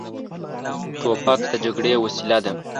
توپک د جګړې وسیله ده.